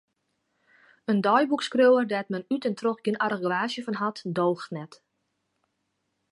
In deiboekskriuwer dêr't men út en troch gjin argewaasje fan hat, doocht net.